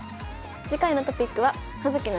次回のトピックは「葉月の将棋勉強中！